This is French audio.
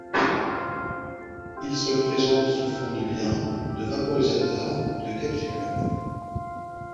Ils se présentent sous forme de liens, de vaporisateurs ou de capsules.